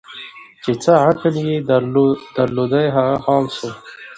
چي څه عقل یې درلودی هغه خام سو